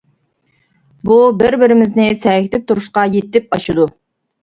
بۇ بىر-بىرىمىزنى سەگىتىپ تۇرۇشقا يېتىپ ئاشىدۇ.